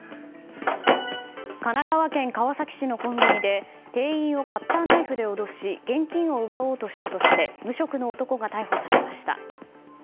神奈川県川崎市のコンビニで店員をカッターナイフで脅し現金を奪おうとしたとして無職の男が逮捕されました。